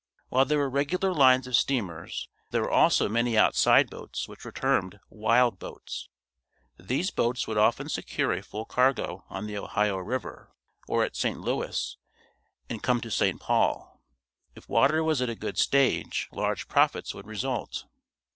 While there were regular lines of steamers, there were also many outside boats which were termed "wild" boats. These boats would often secure a full cargo on the Ohio River, or at St. Louis and come to St. Paul. If water was at a good stage, large profits would result.